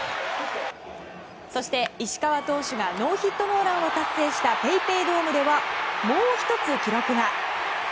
そして、石川投手がノーヒットノーランを達成したＰａｙＰａｙドームではもう１つ記録が。